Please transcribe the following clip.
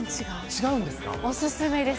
違うんですか？